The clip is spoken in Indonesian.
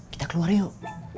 kita keluar yuk